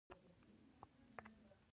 باران د ځمکې ښکلا زياتوي.